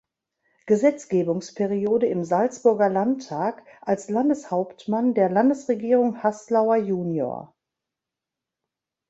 Gesetzgebungsperiode im Salzburger Landtag als Landeshauptmann der Landesregierung Haslauer jun.